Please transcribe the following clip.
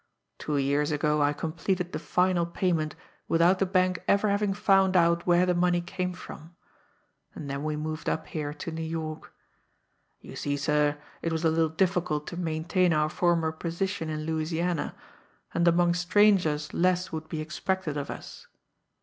Two years ago I completed the final payment without the bank ever having found out where the money came from; and then we moved up here to New York. You see, sir, it was a little difficult to maintain our former position in Louisiana, and amongst strangers less would be expected of us.